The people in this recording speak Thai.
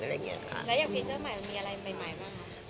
แล้วอย่างฟีเจอร์ใหม่มันมีอะไรใหม่บ้างคะ